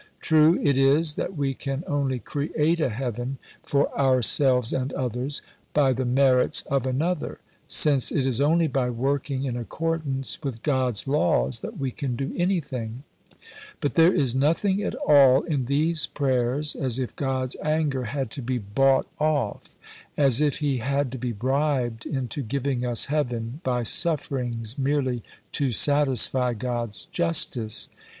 True it is that we can only create a heaven for ourselves and others "by the merits of Another," since it is only by working in accordance with God's Laws that we can do anything. But there is nothing at all in these prayers as if God's anger had to be bought off, as if He had to be bribed into giving us heaven by sufferings merely "to satisfy God's justice."